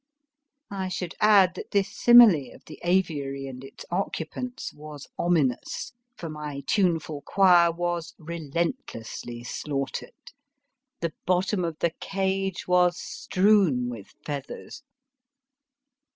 I should add that this simile of the aviary and its occupants was ominous, for my tuneful choir was relentlessly slaughtered ; the bottom of the cage was THE BOOK SOLD TREMENDOUSLY strewn with feathers